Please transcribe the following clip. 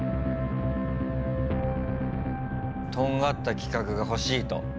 トンガった企画が欲しいと。